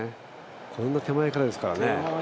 こんな手前からですからね。